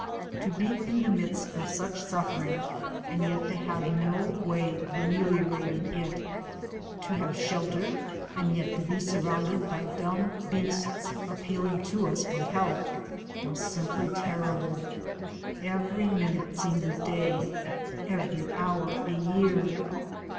To be in the midst of such suffering, and yet have no way of amel iorating it ; to have shelter, and yet to be surrounded by dumb beasts appealing to us for help, was simply terri ble. Every minute seemed a day ; every hour a year.